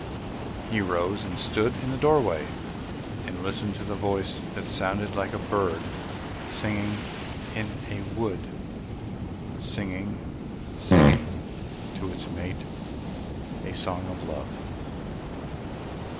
He rose and stood in the doorway, and listened to the voice that sounded like a bird singing in a wood, singing, singing to its mate a song of Love.